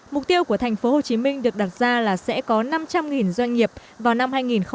mục tiêu của tp hcm được đặt ra là sẽ có năm trăm linh doanh nghiệp vào năm hai nghìn hai mươi